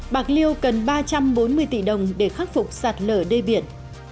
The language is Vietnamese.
bạc liêu cần ba trăm bốn mươi tỷ đồng để khắc phục sạt lở đê biển